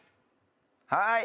はい。